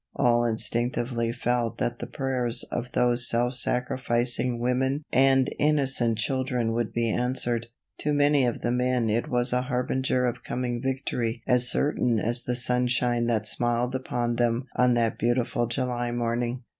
All instinctively felt that the prayers of those self sacrificing women and innocent children would be answered. To many of the men it was a harbinger of coming victory as certain as the sunshine that smiled upon them on that beautiful July morning.